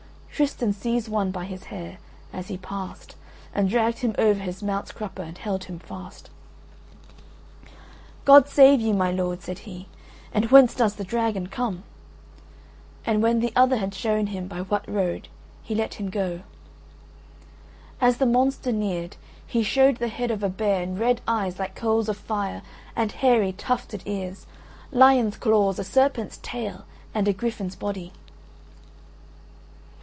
Tristan seized one by his hair, as he passed, and dragged him over his mount's crupper and held him fast: "God save you, my lord," said he, "and whence does the dragon come?" And when the other had shown him by what road, he let him go. As the monster neared, he showed the head of a bear and red eyes like coals of fire and hairy tufted ears; lion's claws, a serpent's tail, and a griffin's body.